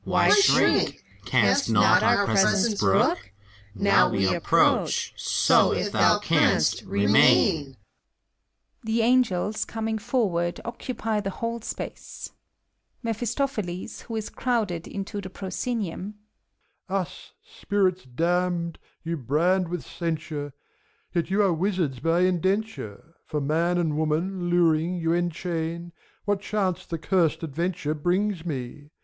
Why shrink? Canst not our presence brook? Now we approach : so, if thou canst, remain ! (The An(^ls, coming forward, occupy the wholr space.) 248 FAUST. MEPHISTOPHELES (who is crowded into the proscenium). Us, Spirits damned, you brand with censure, Yet you are wizards by indenture ; For man and woman, luring, you enchain.— What chance the curst adventure brings me?